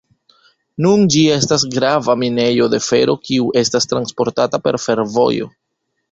Nun ĝi estas grava minejo de fero kiu estas transportata per fervojo.